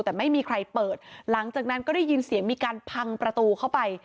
แต่ไม่มีใครเปิดหลังจากนั้นก็ได้ยินเสียงมีการพังประตูเข้าไป